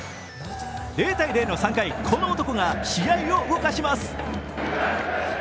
０−０の３回、この男が試合を動かします。